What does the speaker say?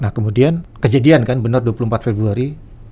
nah kemudian kejadian kan benar dua puluh empat februari